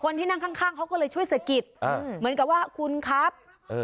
คนที่นั่งข้างเขาก็เลยช่วยสะกิดเหมือนกับว่าคุณครับ